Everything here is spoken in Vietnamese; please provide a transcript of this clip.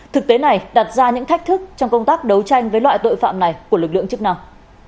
thực tế này đặt ra những thách thức trong công tác đấu tranh với loại tội phạm này của lực lượng chức năng